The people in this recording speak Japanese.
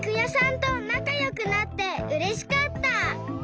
となかよくなってうれしかった！